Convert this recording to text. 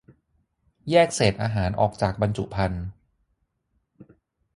- แยกเศษอาหารออกจากบรรจุภัณฑ์